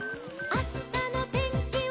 「あしたのてんきは」